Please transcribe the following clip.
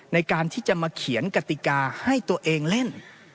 ในการที่จะมาเขียนกติกาให้ตัวเองเล่น